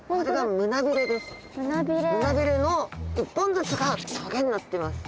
胸びれの１本ずつが棘になってます。